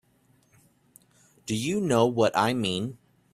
Do you know what I mean?